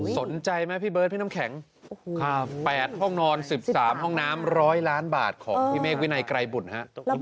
สนใจไหมพี่เบิร์ดพี่น้ำแข็ง๘ห้องนอน๑๓ห้องน้ำ๑๐๐ล้านบาทของพี่เมฆวินัยไกรบุตรฮะ